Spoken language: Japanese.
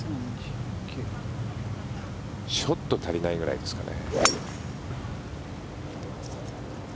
ちょっと足りないぐらいですかね。